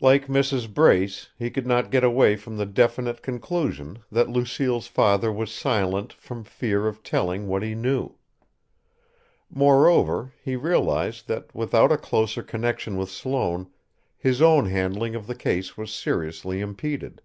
Like Mrs. Brace, he could not get away from the definite conclusion that Lucille's father was silent from fear of telling what he knew. Moreover, he realized that, without a closer connection with Sloane, his own handling of the case was seriously impeded.